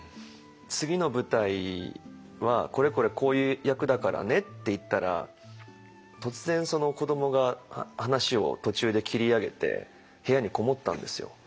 次の舞台は「これこれこういう役だからね」って言ったら突然子どもが話を途中で切り上げて部屋に籠もったんですよ。